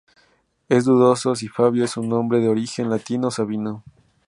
Es dudoso si Fabio es un nombre de origen latino o sabino.